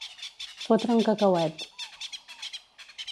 Fotre un cacauet.